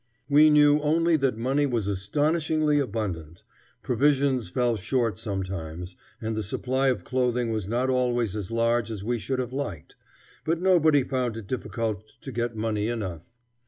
We knew only that money was astonishingly abundant. Provisions fell short sometimes, and the supply of clothing was not always as large as we should have liked, but nobody found it difficult to get money enough.